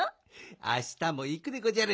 あしたもいくでごじゃる。